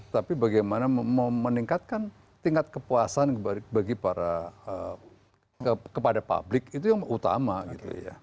tapi bagaimana meningkatkan tingkat kepuasan kepada publik itu yang utama gitu ya